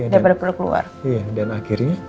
daripada produk luar